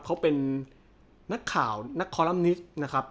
เขาเป็นนักข่าวนักคอลัมนิกส์นะครับ